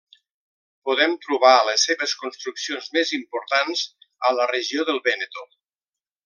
Podem trobar les seves construccions més importants a la regió del Vèneto.